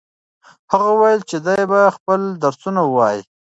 هغه وویل چې دی به خپل درسونه وايي.